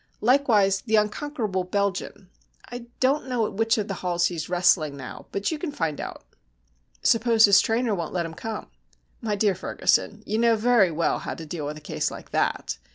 Likewise the Unconquerable Belgian. I don't know at which of the halls he's wrestling now, but you can find out." "Suppose his trainer won't let him come?" "My dear Ferguson, you know very well how to deal with a case like that.